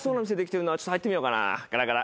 ちょっと入ってみようかなガラガラ。